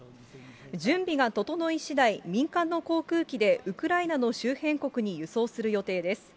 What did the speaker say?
準備が整いしだい、民間の航空機でウクライナの周辺国に輸送する予定です。